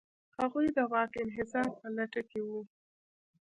هغوی د واک انحصار په لټه کې و.